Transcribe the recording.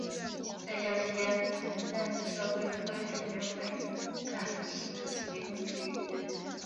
在校期间曾任社会科学学会干事及主席一职。